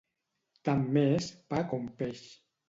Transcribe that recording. Tant m'és pa com peix.